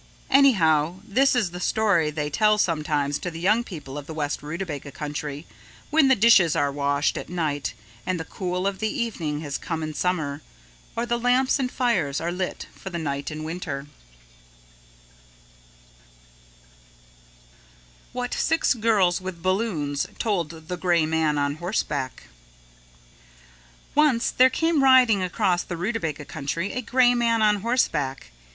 Anyhow this is the story they tell sometimes to the young people of the west Rootabaga Country when the dishes are washed at night and the cool of the evening has come in summer or the lamps and fires are lit for the night in winter. What Six Girls with Balloons Told the Gray Man on Horseback Once there came riding across the Rootabaga Country a Gray Man on Horseback.